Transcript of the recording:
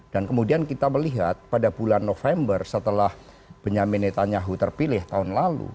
dan kemudian kita melihat pada bulan november setelah benyamin netanyahu terpilih tahun lalu